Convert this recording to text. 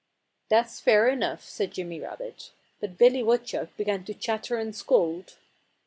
"That's fair enough," said Jimmy Rabbit. But Billy Woodchuck began to chatter and scold.